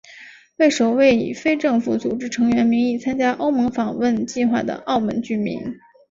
为首位以非政府组织成员名义参加欧盟访问计划的澳门居民。